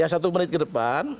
satu menit ke depan